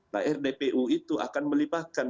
nah rdpu itu akan melibatkan